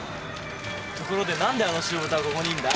ところで何であの白豚がここにいるんだ？